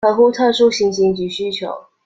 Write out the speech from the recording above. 合乎特殊情形及需求